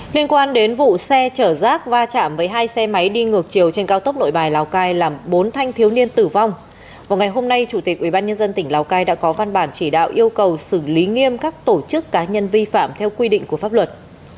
liên quan đến vụ xe chở rác va chạm với hai xe máy đi ngược chiều trên cao tốc nội bài lào cai làm bốn thanh thiếu niên tử vong vào ngày hôm nay chủ tịch ubnd tỉnh lào cai đã có văn bản chỉ đạo yêu cầu xử lý nghiêm các tổ chức cá nhân vi phạm theo quy định của pháp luật